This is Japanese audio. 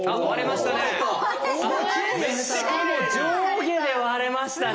しかも上下で割れましたね。